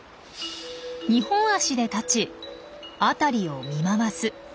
２本足で立ち辺りを見回す。